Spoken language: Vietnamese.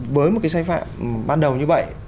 với một cái sai phạm ban đầu như vậy